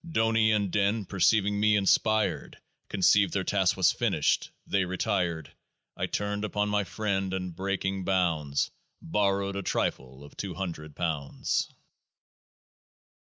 DONI and DIN, perceiving me inspired, Conceived their task was finished : they retired. I turned upon my friend, and, breaking bounds, Borrowed a trifle of two hundred pounds.